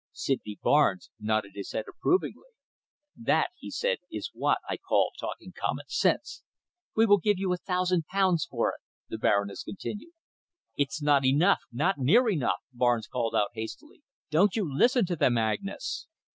Sydney Barnes nodded his head approvingly. "That," he said, "is what I call talking common sense." "We will give you a thousand pounds for it," the Baroness continued. "It's not enough, not near enough," Barnes called out hastily. "Don't you listen to them, Agnes."